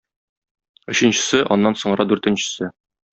Өченчесе, аннан соңра дүртенчесе.